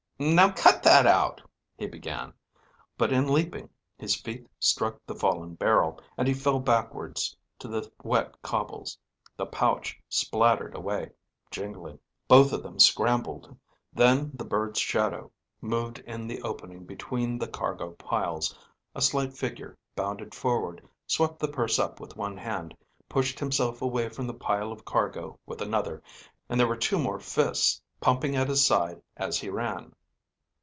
"Now cut that out," he began; but in leaping, his feet struck the fallen barrel, and he fell backwards to the wet cobbles. The pouch splattered away, jingling. Both of them scrambled. Then the bird's shadow moved in the opening between the cargo piles, a slight figure bounded forward, swept the purse up with one hand, pushed himself away from the pile of cargo with another, and there were two more fists pumping at his side as he ran.